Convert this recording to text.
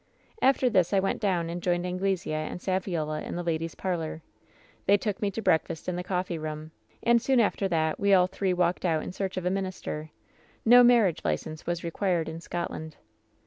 "After this I went down and joined Anglesea and Saviola in the ladies' parlor. They took me to break fast in the coffee room ; and soon after that we all three walked out in search of a minister. Na marriage license was required in Scotland.